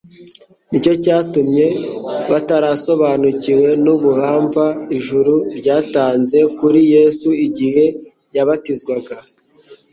Nicyo cyatumye batarasobanukiwe n'ubuhamva ijuru ryatanze kuri Yesu igihe yabatizwaga.